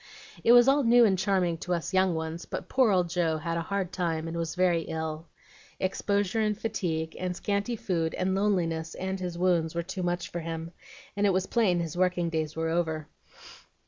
"It was all new and charming to us young ones, but poor old Joe had a hard time, and was very ill. Exposure and fatigue, and scanty food, and loneliness, and his wounds, were too much for him, and it was plain his working days were over.